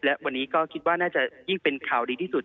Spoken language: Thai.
และวันนี้ก็คิดว่าน่าจะยิ่งเป็นข่าวดีที่สุด